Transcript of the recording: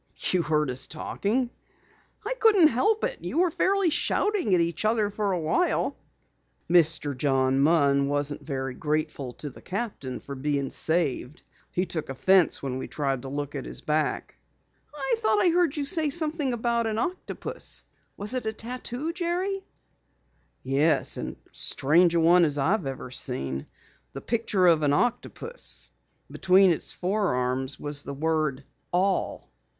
"You heard us talking?" "I couldn't help it. You were fairly shouting at each other for awhile." "Mr. John Munn wasn't very grateful to the captain for being saved. He took offense when we tried to look at his back." "I thought I heard you say something about an octopus. Was it a tattoo, Jerry?" "Yes, and as strange a one as I've ever seen. The picture of an octopus. Between its forearms was the word: 'All.'"